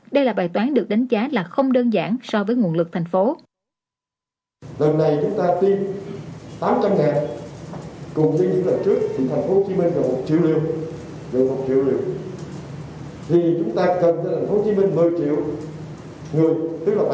đây là bài toán được đánh giá là không đơn giản so với nguồn lực tp hcm